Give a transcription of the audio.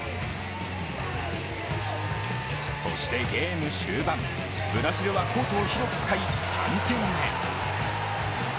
そしてゲーム終盤、ブラジルはコートを広く使い、３点目。